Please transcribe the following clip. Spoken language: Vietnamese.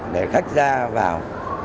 để khách ra vào